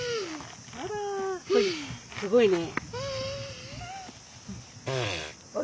すごいね。